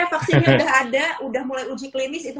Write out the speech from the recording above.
iya jok takutnya mikirnya vaksinnya sudah ada sudah mulai uji klinis